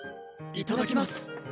いただきます